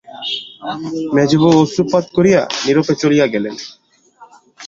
মেজোবউ অশ্রুপাত করিয়া নীরবে চলিয়া গেলেন।